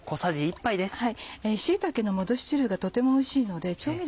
椎茸の戻し汁がとてもおいしいので調味料